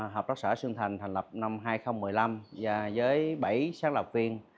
hợp tác xã xuân thành thành lập năm hai nghìn một mươi năm và với bảy sáng lập viên